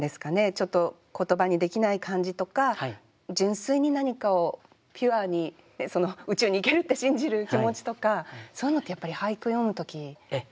ちょっと言葉にできない感じとか純粋に何かをピュアに宇宙に行けるって信じる気持ちとかそういうのってやっぱり俳句詠む時大事なんですか？